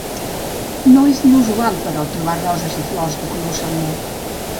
No és inusual, però, trobar roses i flors de color salmó.